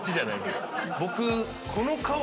僕。